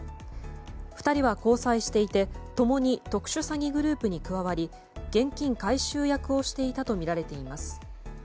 ２人は交際していて共に特殊詐欺グループに加わり現金回収役をしていたとみられています。